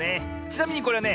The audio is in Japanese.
ちなみにこれはね